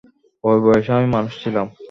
ঐ বয়সে আমি মানুষ ছিলাম।